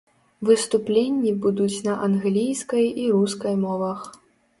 Выступленні будуць на англійскай і рускай мовах.